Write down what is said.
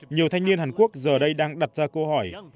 nhiều thanh niên hàn quốc giờ đây đang đặt ra câu hỏi